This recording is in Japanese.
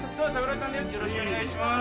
よろしくお願いします。